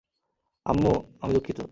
আম্মু, আমি দুঃখিত।